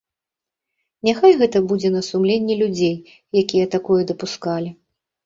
Няхай гэта будзе на сумленні людзей, якія такое дапускалі.